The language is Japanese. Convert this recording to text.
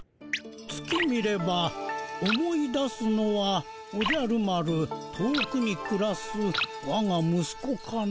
「月見れば思い出すのはおじゃる丸遠くにくらすわが息子かな」。